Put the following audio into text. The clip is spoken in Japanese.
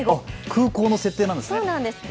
空港の設定なんですね。